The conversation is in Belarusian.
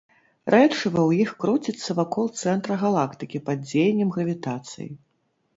Рэчыва ў іх круціцца вакол цэнтра галактыкі пад дзеяннем гравітацыі.